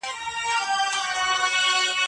هر یوه ته مي جلا کړی وصیت دی